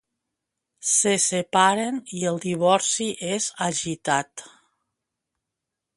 Se separen i el divorci és agitat.